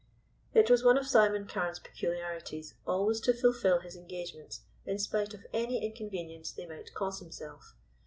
It was one of Simon Carne's peculiarities always to fulfill his engagements in spite of any inconvenience they might cause himself.